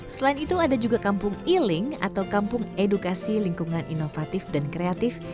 selain itu ada juga kampung iling atau kampung edukasi lingkungan inovatif dan kreatif